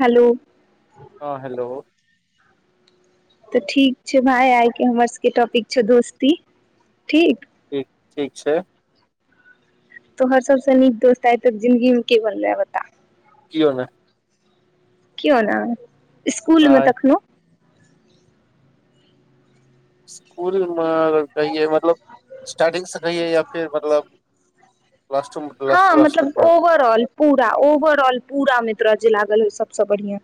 Hello. हँ hello. तऽ ठीक छै, भाय आइ के हमर सबके टॉपिक छौ दोस्ती ठीक। ठीक - ठीक छै। तोहर सब सँ नीक दोस्त आयै तकऽ जिन्दगी में के बनलै या बता। कीओ नई। कओ न इस्कूल मे नहि तखनो। इस्कूल मे अगर कहिए मतलब स्टार्टिंग से कहिए या फिर मतलब। लास्टो मे हँ मतलब ओवर ऑल पूरा ओवर ऑल पूरा मे त्र जे लागल हो सबस बढ़िया।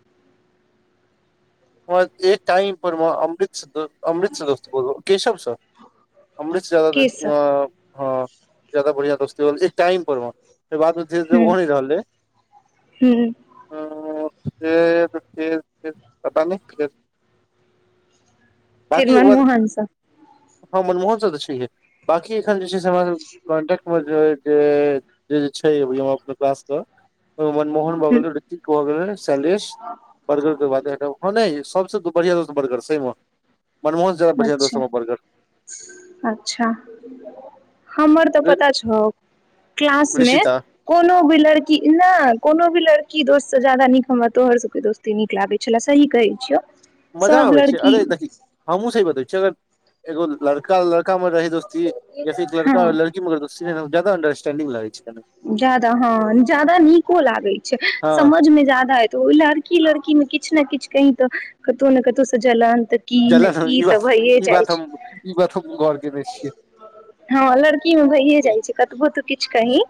ओतेएक टाइम पर अमृतसध। अमृतसर दोस्त बोल रह केशव स अमृतसर के जा। सब हँ जदा बढ़िया दोस्तइ होइ छै, टाइम पर ओ तैके बादमे धीरे- धीरे हूँ ओहो नै रहलै। हूँ। [unintelligible] से सै पता नहि खेल [inaudible] फेर बाकीओ। मनमोहन सब हँ मनमोहन स नै छय है बकी एखन जे छै से हमरा कॉन्ट्टमे जे। जे छै अभी हमर कास क मनमोहन भऽ गेल रऋतिक भऽ गेल। सालेश हँ। बर्गर के बाते हटाउ ह नई सबस दू बढ़िया दोस्त बर्गर सही म। अच्छा - अच्छा हमर तऽ, पता छौ। क्लासमे। ऋषिता कोनो भी लड़की न कोनो भी लड़की दोस्त से जादा नीक हमरा तोहर सब के दोस्त। केतै नीक लागै छलै सही कहै छियौ। मजा सब आबे छै, लड़की अरे देखी हमहुँ सही बते छी अगर एगो लड़का -लड़का मे रहे स्ती [unintelligible] हँ लड़का और लड़की मे जादा अंडरस्टेंडिंग लगै छै। कनी जादा हँ जादा नीको लागै छै हँ समझ मे जादा एत ओय लड़- की लड़की में किछ ने किछ कैनको कतौ ने कतौ से जलानांत जलन ई बात ई बात ई बात हम गोर केने छियै। हँ लड़की मे भइए जाय छै कतबो तू किछ कहीं।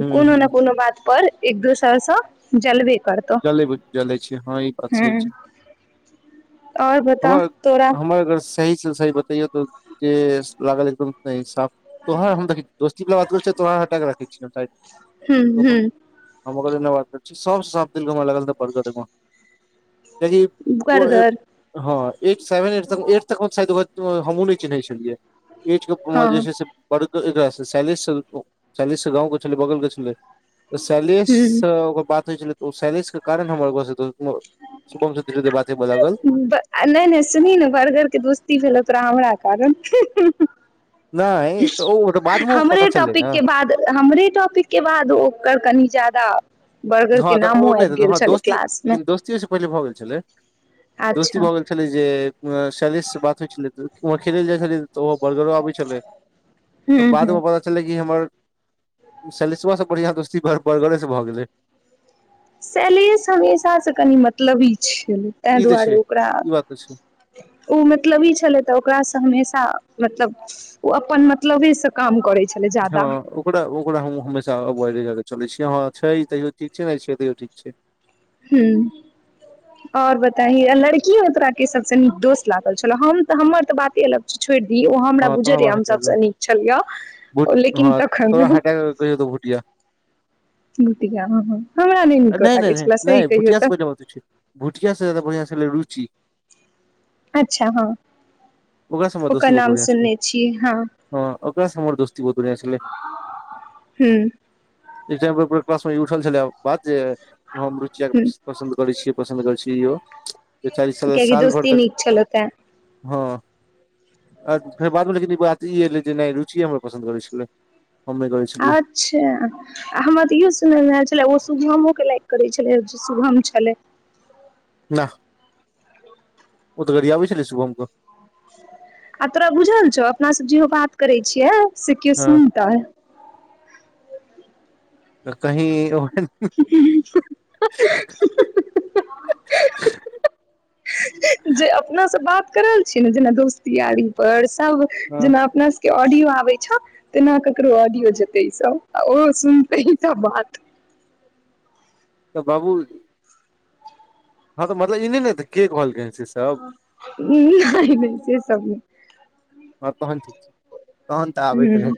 हूँ कोनो ने हूँ कोनो बात पर एक दोसरसँ जलबे करतौ जलै जलै छै हँ ई बात सही हूँ। छै और बता हमर तोरा हमर अगर सही -सही बतैयो तऽ जे लागल एकदम साफ तोहर हम देख दस्तीबला बात होय छैय तोरा हटाके राखै छियो साइड। हूँ तऽ हूँ हम ओ बात करै छी सब सँ- [unintelligible] कियेकी ओ ए बर्गर हँ एक सेवेन एट तक एट तक सायद हमहुँ नै चिन्है छेलियै। एज के [unintelligible] हँ जे छैे से बड़ एक सस सिस गाँव के छलै बगल के छलै। सैलेश हूँ सँ ओकर बात होय छेल्लै उ सैलस के कारण हमर ओकरा [unintelligible] सुबम से धीरे धीरे बात हुअ लागल नैय- नैय सुनही ने बर्गर के दोस्ती भेलौ तोरा हमरा कारण नहि तऽ ओ बाद मे पता हमरे चललै टॉपिक ने के बाद हमरे टॉपिक के बाद ओकर कनी जादा बर्गर के हँ तऽ ओ नामो नहि आइब तऽ गेल हँ छेल्ल दोस्ती क्लास मे लेकिन दोस्तियो से पहिले भऽ गेल छेलै दोस्ती अच्छा भऽ गेल छलै जे शैलस से बात होइ छेलै तऽ ओमहर खेलै जाय छेलियै। ओ बर्गर आबै छेलै हूँ तऽ बाद हूँ [unintelligible] छेलेै कि हमर सलिसा सब बढ़ियां दोस्ती बर्गरे से भऽ गेलै सैलेश हमेशा सँ कनि मतलबी छेल्लै तैंय ई तऽ दुआरे छै ओकरा ई बात तऽ छै ओ मतलबी छलै तऽ ओकरासँ हमेशा मतलब ओ अपनत मतलबे से काम करै छलै जादा हँ ओकरा ओकरा हम हमेशा एवाइड कऽ के चलेै छियै हँं छै तैयो ठीक छै नेै छै तैयो ठीक छै। हूँ। और बताही लड़की मे तोरा के सबसँ नीक दोस्त लागल छलौ हम हमर तऽ बाते अलग छोड़दीही ओ हमरा हँ तोहर बुझैजरय बात हम हटा सब कऽ सँ नीक छलियौ। भुट हँ तोरा हटा के कैह देतौ भुटिया भुतिया हमरा नहि नीको नैय- नैय- लागै नैय- छले सही नैय कहियौ भुटियासँ तऽ [unintelligible] बात होय छै। भुटियासँ से जादा बढ़िआँ छेल्लै रुचि। अच्छा हँ ओकरा से हमर ओकर दोस्ती बहुत नाम बढ़ियां स- हँ ओकरा सँ हमर दोस्ती बहुत बड़ियां छेल्ला हूँ एक टाइम [unintelligible] कल्सा मे उठल छेल्ला बात जे हम रुचिया के हूँ पसन्द करै छियै। पसन्द कर छीयौ बेचारू कियाकि साल भैर दोस्ती तक नीक छलौ तें हँ अ- फेर बादमे लेकिन ई बात ई एलै जे नहि रुचिए हमरा पसन्द करै छेल्ला हम नै करै छेलियै। अच्छा आ हमरा तऽ इहो सुनयमे एल छेल्ला ओ शुभमोके लाइक करै छेलै शुभम छलै। नह ओतऽ घड़याबै छल्लै सुभम के आ तोरा बुझल छौ अपना सब जेहो बात करेै छियै से कियो हँ सुनतेै? तऽ कही ओ-ह-ह-ह-ह जे अपनासँ बात करल छीयै न जेना दोस्त यारी पर सब हँ जेना अपना स के ऑडियो आबे छो, तेना केकरो ऑडियो जेते ई सब, आ ओ सुनते ई सब बात तऽ बाबूल हँ तऽ मतलब, ई नहि ने एतै, के कहलकै। सब हाँ, नहि -नहि से सब ने। हँ तहन ठिक छी। हु,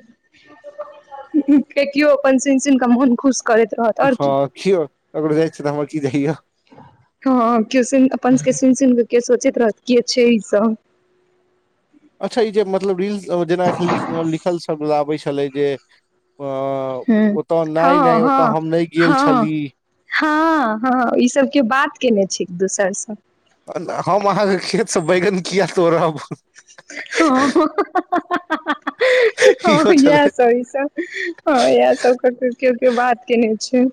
कियो अपन सुन -सुन का मोन खुश। करैत रहत आओर की हँ, किओ [unintelligible] जाइ छ, तऽ हमर कि जइय। हँ, केओ सुन, अपन सबके सुन-सुन कऽ केओ सोचैत रहत, के छै ई सब। अच्छा, ई जे मतलब, रील जेना एखन लिख, लिखल सब आबै छलै जे, अअअ हूं ओतऽ नहि हँ -नहि, ओतऽ हँ हम नहि गेल हँ छली। हँ- हँ, ई सब कियो बात केने छै, एक दोसरसँ। हम अहाँके खेत से बैगन किया रहब। ह। इहो ह, याह छलै स, ई स। हँ, इएह सबके केओ -केओ बात केने छै।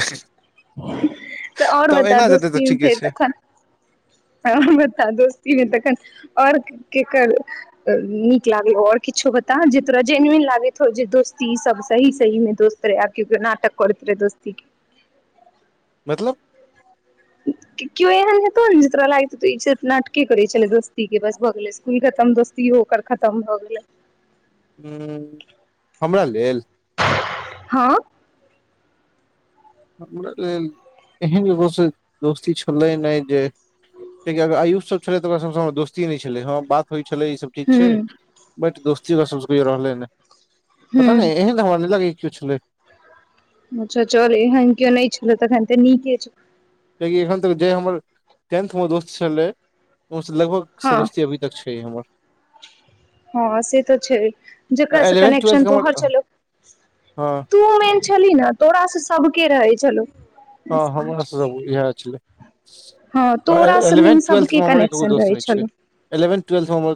ज। तऽ आओर बता, जेतै तऽ दोस्ती ठीके फेर छै तखन ह बता दोस्ती मे तखन, आओर केकर नीक लागेयो, और किछो बता, जे तोरा जेनुइन लागैतओ, जे दोस्ती सब सही- सही में दोस्त। रे एपक्यु नाटक करैत रोहै दोस्तिके, मतलब? केओ एहन हेतौ ने, जे तोरा लागैत हेतौ, इ सिर्फ नाटके करै छले दोस्ती के, बस भ गेले। इ खतम, दोस्तियो ओकर खतम भऽ गेलै। ह, हमरा लेल, हँ। हमरा लेल, एहन लोक से दोस्ती छलै नहि जे [unintelligible] आयुष सब छलै तऽ, ओकरा सब हमर दोस्ती नहि छलै, ह बात होइ छलै ई सब ठीक छै, हूँ बट दोस्ती सब रहलै ने। पता नहि, हूँ एहन नै हमरा नहि लागै कियो छलै। अच्छा चल, एहन केओ नहि छलो, तखन तऽ नीके छ, कियाकि, एखन तक जे हमर टेन्थमे दोस्त छलै, ओसँ लगभग स हँ दोस्ती अभी तक छै हमर। हँ से तऽ छै, जेकरा स इलेवेंथ ट्वेल्थ कनेकशन के हमर तोहर छलौ, हँ तू मेन छली ने, तोराासँ सभके रहै छलौ। हँ, बस हमरा पाँच से इह छलै। हँ तोरा से मेन एलेवेन्थ सबके -ट्वेल्थमे हमर एकोगो कनेक्शन दोस्त रहै नहि छै। छलौ इलेवेन्थ ट्वेल्थ हम,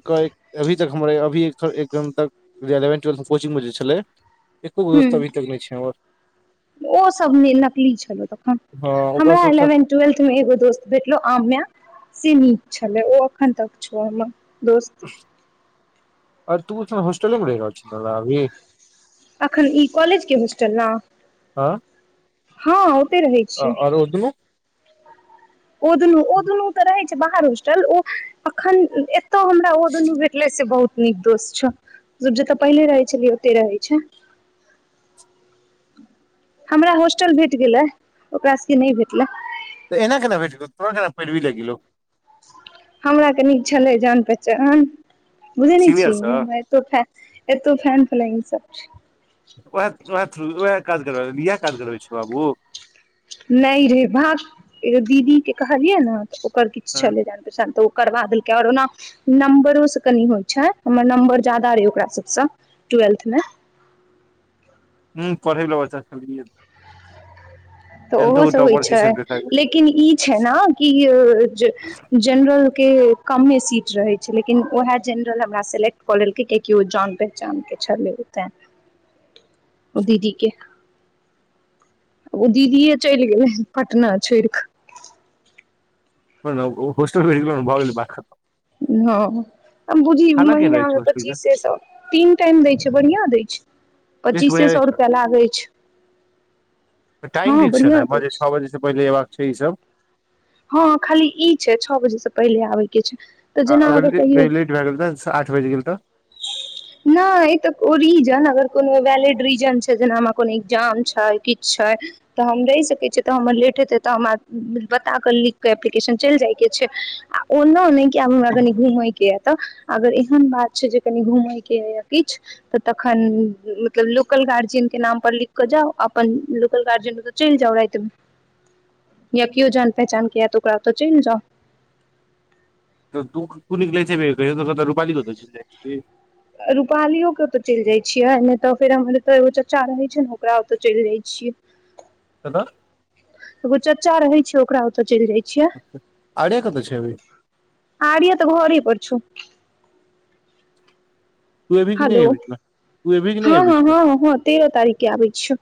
अभी तक हमर, अभी एक घम तक इलेनवन -ट्वेल्थ कोचिंग मे जे छलै, एको गो हूँ दोस्त अभी तक नहि छै हमर। ओ सबमे नकली छलौ तखन, हँ ओकरा हमरा सबसँ एलेवेन् ट्वेल्थ में एगो दोस्त भेटलो, आम्या। से नीक छलै, ओ एखन तक छौ हमर दोस्त। अर तू स होस्टलेमे रहि रहल छिही न आभी। अखन, ई कॉलेज के होस्टल ने। हाँ, हँ, ओते रहै अ छियै आरो दु। ओ दुनू ओ दुनू तऽ रहैय छैय बाहर होस्टल ओ एखन। त हमरा ओ दुनू भेटले से बहुत नीक दोष्त छ जतऽ पहिनेे रहैय छेलियै ओतै रहैय छैय। हमरा होॉस्टल भेट गेला ओकरा सब के नइ भेटलैय। त एना केना भेट गेलौ तोड़ा केना पैरवी लैग गेलौ। हमरा कनी छलैय जान पहचान बुझैय नैइ सीनियर छीय सँ हमरा। फ एतोौ फ्रंटलाइन सब। छैय। वैह वैह थू उएह काज करब इएह काज करबै छौ बाबू। नहि रे भक दीदी के कहलियै न तऽ ओकर किछ छलैय जान पहचान तऽ ओ। करबा देलकै ओर ओना नम्बरो से कनि होइ छैय हमर नम्बर जादा रहे ओकरा सब सऽ टुवेल्थ मे हूं पढैय वला बच्चा सब। तऽ ओहो स होइ टॉपर छी छैय सङ्गे सङ्गे लेकिन ई छैय न कि जे। जेनरल के कमे सीट रहैय छैय लेकिन उएह जेनरल हमरा सेलेक्ट। कऽ लेलके किया कि ओ जान पहचान के छलैय तैं ओ दीदी के। ओ दीदीये चैल गेलैय पटना छोइर क। हेलो हस्टल भेट गेलौउ न भ गेलैय बात खत्म। हां। बुझीही खाना केहन रहै महीना मे छै होस्टल के पचीसे सौ तीन टाइम दैय छैय बढ़ियां दैय छैय। लिस्ट पचीसे बनेने सौ छै रुपया लागैय छैय। तऽ टाइम फिक्स छैय न बढ़िआँ दै बजे छै छ बजे से पहिले एबाक छैय ई सब। हं खाली ई छैय छ बजे से पहिले आबैय के छैय तऽ जेना अगर कहियौ। भए लेट गेल तऽ आठ बजि गेल तऽ। नहि इतऽ ओ रीजन अगर कोनो वैलिड रीजन छैय जेना हमरा कोनो एग्जाम छैय किछ छैय। तऽ हम रहि सकैय छियै तऽ हमर लेट हेतैय तऽ हमरा बता कऽ लिख कऽ एप्लीकेशन चलि जाइके छैय। ओना नइ कि आब हमरा कनि घूमय के य तऽ अगर एहन बात छैय जे। कनि घूमय के या किछ। तऽ तखन मतलब लोकल गार्जियन के नाम पर लिख कऽ जाउ अपन लोकल गार्जियन। चैल जाउ राइत मे या किओ जान पहचान के या ओकरा ओतऽ चैल जाउ। तऽ तू तू निकलैय छिही कहीयो कहीयो त कतऽ रूपाली के ओतऽ चैल जाइ छिही रूपालियो के ओतय चलि जाइ छियै नहि तऽ फेर हमर एतऽ एगो चच्चा रहैय छैय न ओकरा ओतय चलि जाइ छियै कतऽ। एगो चच्चा रहेय छैय ओकरा ओतऽ चैल जाय आर्या कतऽ छैय अभि। आर्या तऽ घरे पड़ छौउ। तू एबही कि नहि हेलो एहि बीचमे तू एबही कि नहि एहि हँ हँ बीचमे हँ हँ तेरह तारीख कऽ आबैय छियौ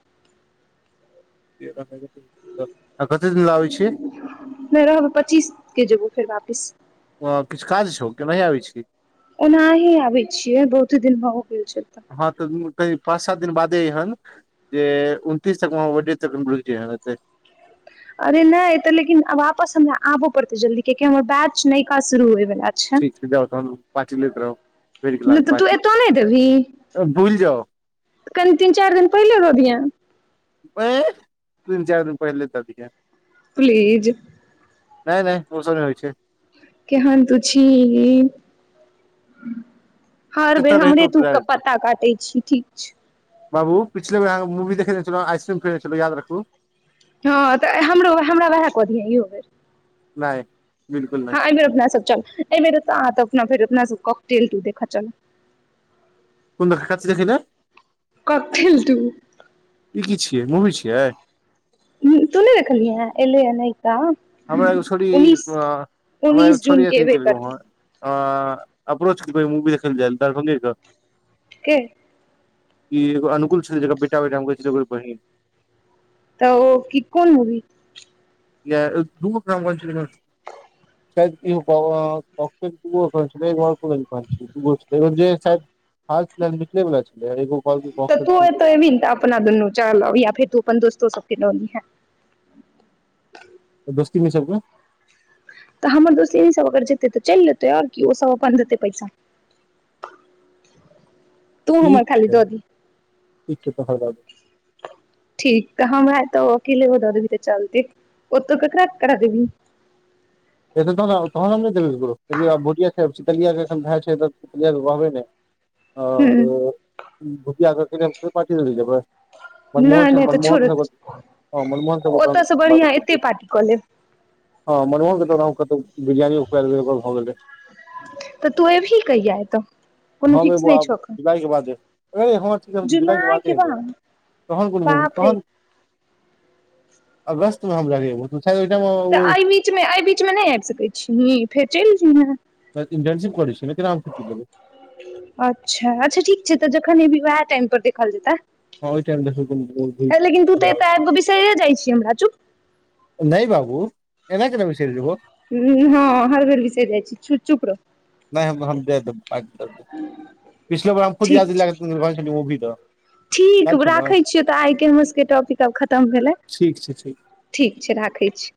आ कते दिन लै आबैय छी। नई रहबैय पच्चीस के जेबैय फेर वापिस। हँ किछ काज छौउ की एनाही आबैय छीही। एनाही आबैय छियै बहुते दिन भ वो गेल छैय एतऽ हँ तऽ [unintelligible] पाँच सात दिन बादे अयहेन जे उनतीस तक हम एतू रहबौ रुइक जेयहै एते। अरे नइ एते लेकिन वापस हमरा आबो पड़ते जल्दी किय कि हमर बैच नयका शुरू होय वला। छै ठीक छैय जाउ तहन पार्टी लेैत रहब बुइर गेल अहां नहि के तऽ तू एतऽ नहि देबही पार्टी भुल जाउ। कनि तीन- चार दिन पहिले रोपियैह। अंय तीन -चार दिन पहिले दऽ दीहे। प्लीज। नै - नै औ सब नइ होइ छै। केहन तू छीही। हर एतऽ बेर हमरे रहितो तूके पत्ता काटै छी, ठीक छै। बाबू पिछले बेर अहाँके मूवी देखेने छलहु, आइसक्रीम खुयने छलँ याद रखू। हँ तऽ हमरो हमरा वएह कऽ दिहे इहो बेर। नहि बिल्कुल नहि हँ एहि बेर अपना सब चल, एहि बेर अप फेर अपना सब काॅकटेल टू देखऽ चल। ओनऽ कथि देखै लऽ। Cocktail to. ई की छियै, मूवी छियै? हूं तू नहि देखलियै हऽ एलै हऽ न तऽ। हमरा एगो छोड़ी, हमरा एगो उन्नीस जून छोड़ी के अथी एबे केलयो करतै हँ। अप्रोच के को मूवी देखल जाइ दरभंगे के। के। इ एगो अनुकूल छलै, जेकरा बेटा- बेटा हम कहै छलियै ओकर बहिन। तऽ ओ कोन कहन मूवी। [inaudible] शायद इहो ी दगो छल जेचले वला छल तऽ तू एगो एतऽ [unintelligible] एबही ने तऽ अपना दुनू चलऽ, या फेर तू अपन दोस्तो सबके लऽ लिहैं। तऽ दोस्ती में सबके। तऽ हमर दोस्त सब अगर जेतै,। तऽ चलि एतै, आर कि ओसभ अपन देतै पैसा। तू ठीक हमर खाली छै, दऽ दी ठीक छै तहर बाबू ठीक तऽ हम ह तो अकेले दऽ देबही तऽ चलते, ओतो ककरा- ककरा देबही। एतऽ तहन हम ने देबै ककरो, छैितलिया केख भए छै तऽलिया कहबे नहि [unintelligible] ह तऽ गोतिया सब के फेर पार्टी दई लेल जेबै। नहि मनमोहन नहि तऽ मनमोहन छोड़त स हँ मनमोहन के [unintelligible] ओतयसँ बढ़िआँ एते पार्टी कऽ लेब हँ मनमहन के तऽ ओना हूं कतहु, बिरियानियो खुआ देबै तऽ भऽ गेलै। तऽ तू एबही कहिया एतऽ। कोनो हम फिक्स एबौ नहि आब छौ अखन जुलाई के बादे, ह जुलाई के बादे एबै। तहन कोन मुवी, बाप रे तहन अगस्त में हम लगे ओहि [inaudible] ऐ बीच मे नै आइब सकै छीही, फेर चलि जयहें। [unintelligible] अच्छा -अच्छा ठीक छै, तऽ जखन एबही उएह टाईम पर देखल जेतई। हँ ओठ देख बहुत भ भ छै [inaudible] बिसैरे जाइ छी हमरा, चुप। नै बाबू एना केना बिसैर जेबहो। हूं -हँ हर बेर बिसैर जाइ छी, चुप रहु। नै हम दैऽ देबौ, पिछले बेर हमही खुद ठीक याद से छै लऽ गेल रहीयो मूभी लऽ। ठीक राखे छियै तऽ आइ के हमर सबके टॉपिक आब खतम भेलै। ठीक छै ठीक। ठीक छै राखै छी।